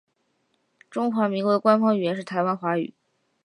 中华民国的官方语言是台湾华语。